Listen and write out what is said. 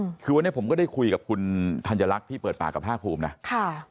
อืมคือวันนี้ผมก็ได้คุยกับคุณธัญลักษณ์ที่เปิดปากกับภาคภูมินะค่ะ